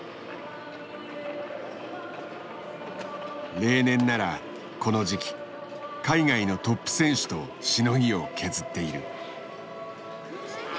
例年ならこの時期海外のトップ選手としのぎを削っている。